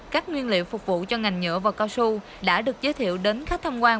các nguyên liệu phục vụ cho ngành nhựa và cao su đã được giới thiệu đến khách tham quan